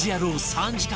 ３時間